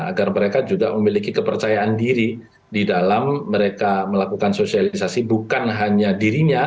agar mereka juga memiliki kepercayaan diri di dalam mereka melakukan sosialisasi bukan hanya dirinya